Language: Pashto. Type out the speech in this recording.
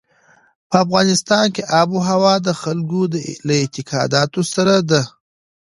په افغانستان کې آب وهوا د خلکو له اعتقاداتو سره ده.